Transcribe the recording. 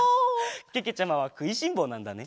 けけちゃまはくいしんぼうなんだね。